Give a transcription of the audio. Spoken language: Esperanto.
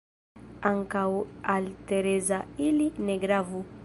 Ankaŭ al Tereza ili ne gravu.